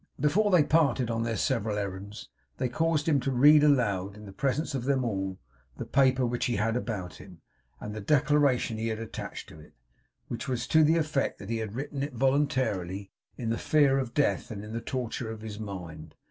Before they parted on their several errands, they caused him to read aloud, in the presence of them all, the paper which he had about him, and the declaration he had attached to it, which was to the effect that he had written it voluntarily, in the fear of death and in the torture of his mind.